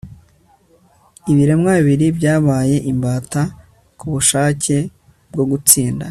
Ibiremwa bibiri byabaye imbata kubushake bwo gutsinda